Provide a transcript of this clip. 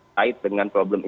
tait dengan problem ini